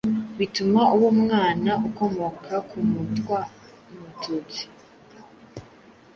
bituma aba umwana ukomoka ku Mutwa n’Umututsi.